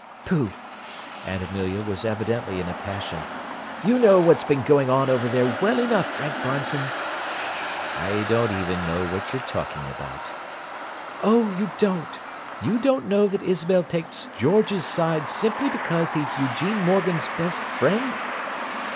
"Pooh!" Aunt Amelia was evidently in a passion. "You know what's been going on over there, well enough, Frank Bronson!" "I don't even know what you're talking about." "Oh, you don't? You don't know that Isabel takes George's side simply because he's Eugene Morgan's best friend?"